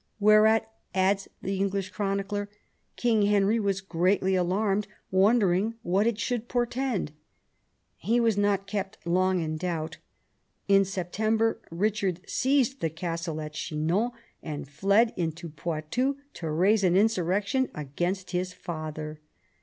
Whereat, adds the English chronicler, King Henry was greatly alarmed, wondering what it should portend. He was not kept long in doubt. In September Eichard seized the treasure at Chinon, and fled into Poitou to raise an insurrection against his father.